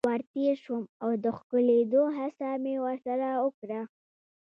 ور تیر شوم او د ښکلېدلو هڅه مې ورسره وکړه.